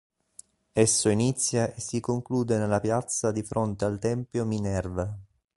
Esso inizia e si conclude nella piazza di fronte al tempio Minerva.